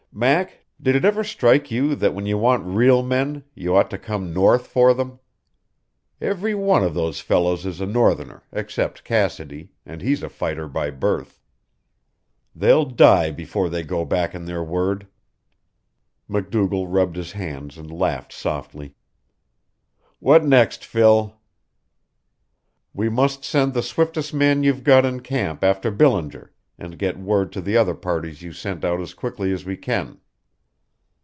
"Mac, did it ever strike you that when you want REAL men you ought to come north for them? Every one of those fellows is a northerner, except Cassidy, and he's a fighter by birth. They'll die before they go back on their word." MacDougall rubbed his hands and laughed softly. "What next, Phil?" "We must send the swiftest man you've got in camp after Billinger, and get word to the other parties you sent out as quickly as we can.